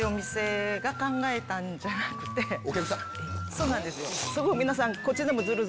そうなんです。